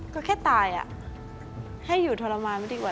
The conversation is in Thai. ก็แค่ตายแค่อยู่ทรมานก็ดีกว่า